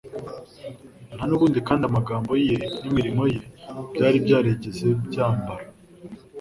Nta n’ubundi kandi amagambo ye n’imirimo ye byari byarigeze byambara